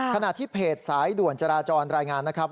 ขณะที่เพจสายด่วนจราจรรายงานนะครับ